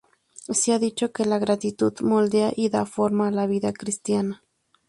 Se ha dicho que la gratitud moldea y da forma a la vida cristiana.